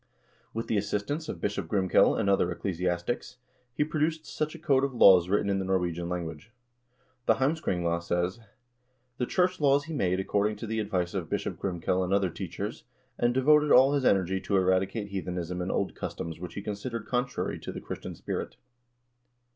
With the assistance of Bishop Grimkel and other eccle siastics, he produced such a code of laws written in the Norwegian language. The "Heimskringla" says: "The church laws he made according to the advice of Bishop Grimkel and other teachers, and devoted all his energy to eradicate heathenism and old customs which he considered contrary to the Christian spirit."